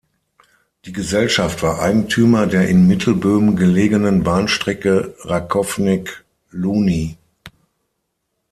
Die Gesellschaft war Eigentümer der in Mittelböhmen gelegenen Bahnstrecke Rakovník–Louny.